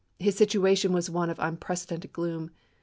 His situation L£*,%^ft was one of unprecedented gloom.